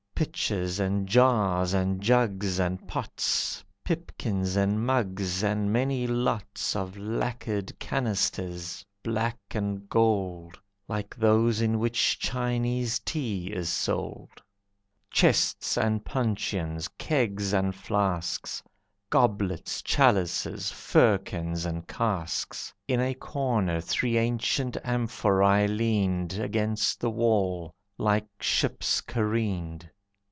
Pitchers, and jars, and jugs, and pots, Pipkins, and mugs, and many lots Of lacquered canisters, black and gold, Like those in which Chinese tea is sold. Chests, and puncheons, kegs, and flasks, Goblets, chalices, firkins, and casks. In a corner three ancient amphorae leaned Against the wall, like ships careened.